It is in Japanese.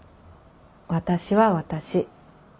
私は私。